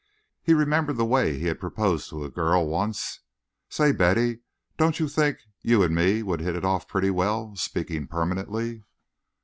He remembered the way he had proposed to a girl, once: "Say, Betty, don't you think you and me would hit it off pretty well, speaking permanently?"